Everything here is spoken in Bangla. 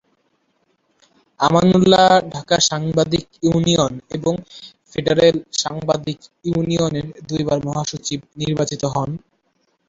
আমানুল্লাহ ঢাকা সাংবাদিক ইউনিয়ন এবং ফেডারেল সাংবাদিক ইউনিয়নের দুই বার মহাসচিব নির্বাচিত হন।